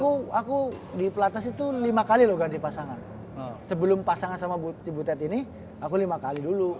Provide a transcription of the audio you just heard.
aku aku di pelatnas itu lima kali loh ganti pasangan sebelum pasangan sama cibutet ini aku lima kali dulu